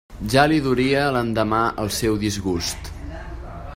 Ja li duria l'endemà el seu disgust.